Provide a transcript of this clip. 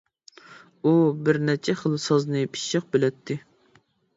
ئۇ بىرنەچچە خىل سازنى پىششىق بىلەتتى.